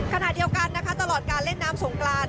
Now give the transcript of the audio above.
ขณะเดียวกันนะคะตลอดการเล่นน้ำสงกราน